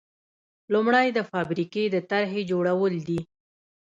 لومړی د فابریکې د طرحې جوړول دي.